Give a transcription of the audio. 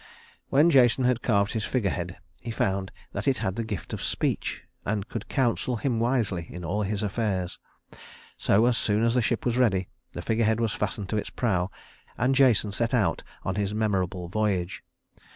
When Jason had carved his figurehead, he found that it had the gift of speech and could counsel him wisely in all his affairs, so as soon as the ship was ready, the figurehead was fastened to its prow, and Jason set out on his memorable voyage.